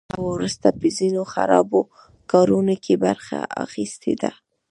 هغه وروسته په ځینو خرابو کارونو کې برخه اخیستې ده